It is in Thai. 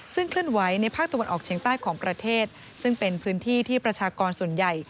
ซึ่งเคลื่อนไหวในภาคตะวันออกเชียงใต้ของประเทศซึ่งเป็นพื้นที่ที่ประชากรส่วนใหญ่